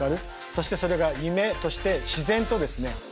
そしてそれが夢として自然とですね